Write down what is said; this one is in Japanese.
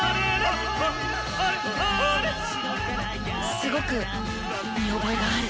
すごく見覚えがある。